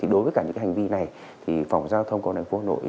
đối với cả những hành vi này phòng giáo dân quân hình phố hà nội